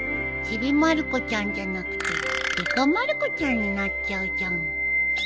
『ちびまる子ちゃん』じゃなくて『でかまる子ちゃん』になっちゃうじゃん